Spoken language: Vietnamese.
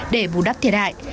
để bù đắp thiệt hại